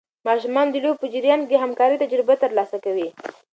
ماشومان د لوبو په جریان کې د همکارۍ تجربه ترلاسه کوي.